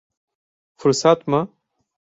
Fırsat mı?